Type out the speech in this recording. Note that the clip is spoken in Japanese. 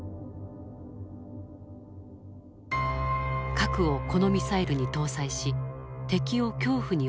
核をこのミサイルに搭載し敵を恐怖に陥れる。